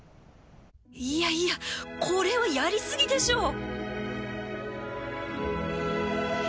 いやいやこれはやり過ぎでしょう